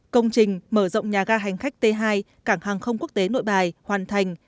công trình mở rộng nhà ga hành khách t hai cảng hàng không quốc tế nội bài hoàn thành